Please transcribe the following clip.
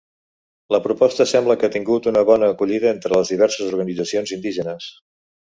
La proposta sembla que ha tingut una bona acollida entre les diverses organitzacions indígenes.